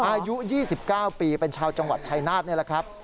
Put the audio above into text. อายุ๒๙ปีเป็นชาวจังหวัดชายนาฏนี่แหละครับ